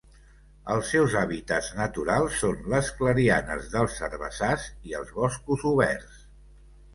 Els seus hàbitats naturals són les clarianes dels herbassars i els boscos oberts.